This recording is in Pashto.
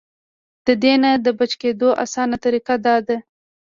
د دې نه د بچ کېدو اسانه طريقه دا ده -